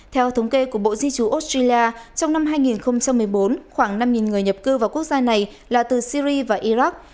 theo thống kê của bộ di trú australia trong năm hai nghìn một mươi bốn khoảng năm người nhập cư vào quốc gia này là từ syri và iraq